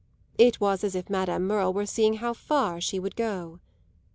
It was as if Madame Merle were seeing how far she would go.